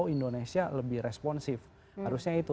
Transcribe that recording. indonesia lebih responsif harusnya itu